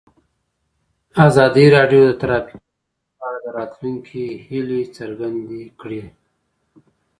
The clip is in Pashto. ازادي راډیو د ټرافیکي ستونزې په اړه د راتلونکي هیلې څرګندې کړې.